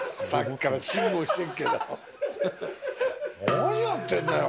何をやってんだよ。